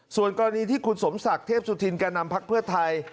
ส่วนกรณีที่คุณสมศักดิ์เทพสุธินแก่นำพักเพื่อไทย